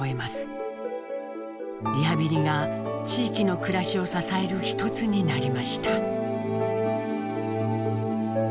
リハビリが地域の暮らしを支える一つになりました。